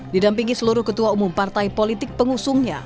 didampingi seluruh ketua umum partai politik pengusungnya